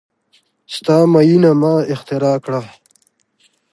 ستا میینه ما اختراع کړه